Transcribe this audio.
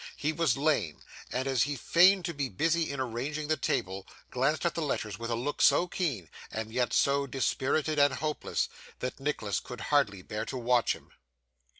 He was lame; and as he feigned to be busy in arranging the table, glanced at the letters with a look so keen, and yet so dispirited and hopeless, that Nicholas could hardly bear to watch him.